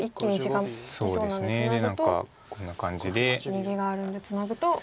逃げがあるんでツナぐと。